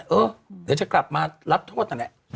เออเดี๋ยวจะกลับมารับโทษอันนี้